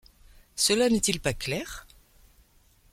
Cela n’est-il pas clair ?